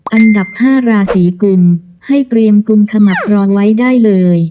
อันดับ๕ราศีกุมให้เตรียมกุมขมับรองไว้ได้เลย